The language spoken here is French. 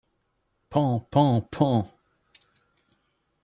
Pan pan pan